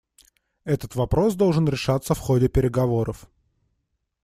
Этот вопрос должен решаться в ходе переговоров.